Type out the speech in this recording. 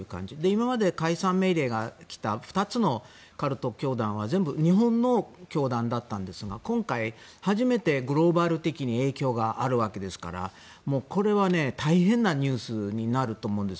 今まで解散命令が来た２つのカルト教団は全部、日本の教団だったんですが今回、初めてグローバル的に影響があるわけですからこれは大変なニュースになると思うんです。